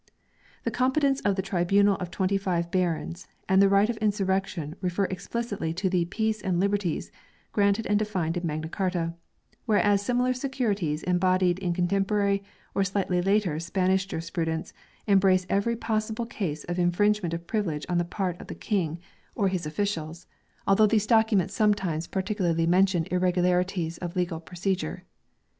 The competence of the tribunal of twenty five barons and the right of insurrection refer explicitly to the " peace and liberties " granted and defined in Magna Carta, whereas the similar securities embodied in contemporary or slightly later Spanish jurisprudence embrace every possible case of infringe ment of privilege on the part of the King or of his 16 242 MAGNA CARTA AND officials, although these documents sometimes par ticularly mention irregularities of legal procedure.